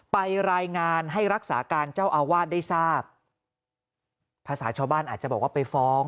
ไปรายงานให้รักษาการเจ้าอาวาสได้ทราบภาษาชาวบ้านอาจจะบอกว่าไปฟ้อง